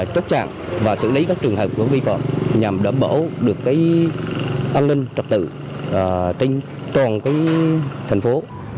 chốt trạng và xử lý các trường hợp vi phạm nhằm đảm bảo được an ninh trật tự trên toàn thành phố